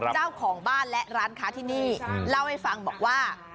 เจ้าของบ้านและร้านค้าที่นี่เล่าให้ฟังบอกว่า